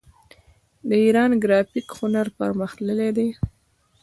د ایران ګرافیک هنر پرمختللی دی.